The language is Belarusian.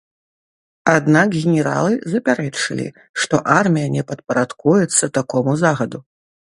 Аднак генералы запярэчылі, што армія не падпарадкуецца такому загаду.